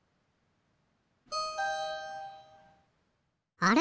あれ？